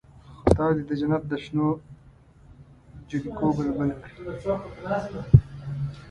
خدای دې د جنت د شنو جلګو بلبل کړي.